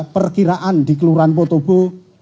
perkiraan di kelurahan patobu